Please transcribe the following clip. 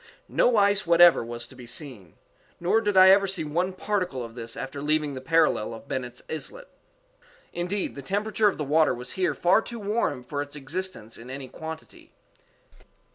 No ice whatever was to be seen; _nor did I ever see one particle of this after leaving the parallel of Bennet's Islet._Indeed, the temperature of the water was here far too warm for its existence in any quantity.